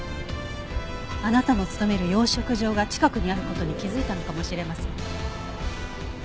あなたの勤める養殖場が近くにある事に気づいたのかもしれません。